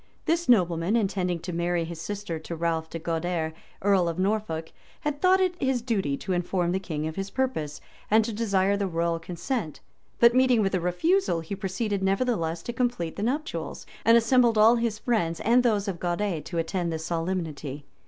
This nobleman, intending to marry his sister to Ralph de Guader, earl of Norfolk, had thought, it his duty to inform the king of his purpose, and to desire the royal consent; but meeting with a refusal, he proceeded nevertheless to complete the nuptials, and assembled all his friends, and those of Guader, to attend the solemnity.